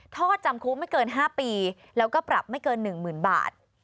ทอดจำคุกไม่เกินห้าปีแล้วก็ปรับไม่เกินหนึ่งหมื่นบาท